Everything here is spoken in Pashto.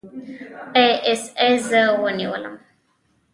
اى ايس اى زه ونیولم.